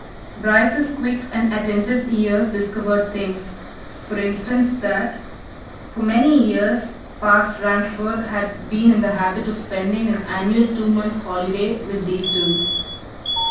Bryce's quick and attentive ears discovered things for instance that for many years past Ransford had been in the habit of spending his annual two months' holiday with these two.